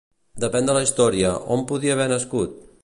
Depèn de la història, on podia haver nascut?